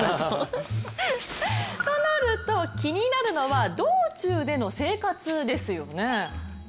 となると、気になるのは道中での生活ですよね。